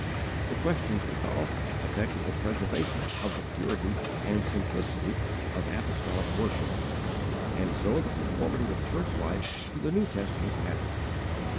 The questions involved affected the preservation of the purity and simplicity of apostolic worship, and so the conformity of church life to the New Testament pattern.